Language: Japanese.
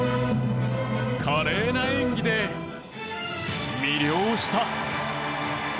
華麗な演技で魅了した。